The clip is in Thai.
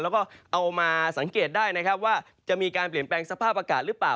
แล้วก็เอามาสังเกตได้นะครับว่าจะมีการเปลี่ยนแปลงสภาพอากาศหรือเปล่า